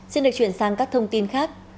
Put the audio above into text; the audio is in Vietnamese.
xin được chuyển sang các thông tin khác